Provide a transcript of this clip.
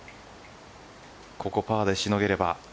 ここをパーでしのげれば。